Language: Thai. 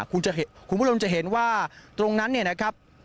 คุณผู้ชมจะเห็นว่าตรงนั้นเนี่ยนะครับ